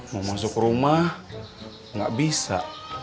mau masuk rumah nggak bisa